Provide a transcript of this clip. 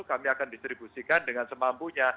kami akan distribusikan dengan semampunya